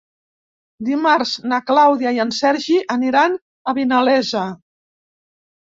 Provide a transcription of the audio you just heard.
Dimarts na Clàudia i en Sergi aniran a Vinalesa.